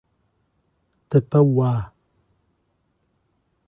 Tapauá